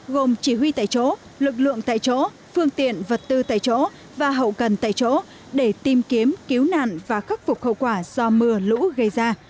gồm chỉ huy tại chỗ lực lượng tại chỗ phương tiện vật tư tại chỗ và hậu cần tại chỗ để tìm kiếm cứu nạn và khắc phục hậu quả do mưa lũ gây ra